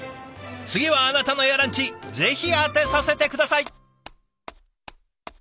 次はあなたのエアランチぜひ当てさせて下さい！